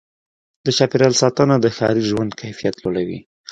د چاپېریال ساتنه د ښاري ژوند کیفیت لوړوي.